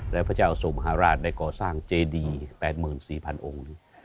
และพระเจ้าทรงมหาราชได้ก่อสร้างเจดี๘๔๐๐องค์